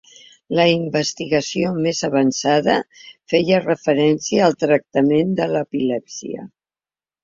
La investigació més avançada feia referència al tractament de l’epilèpsia.